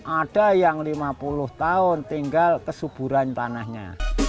ada yang lima puluh tahun tinggal kesuburan tanahnya